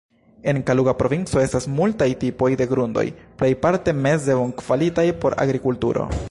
En Kaluga provinco estas multaj tipoj de grundoj, plejparte meze bonkvalitaj por agrikulturo.